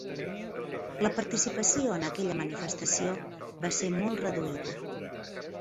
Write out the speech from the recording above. La participació en aquella manifestació va ser molt reduïda.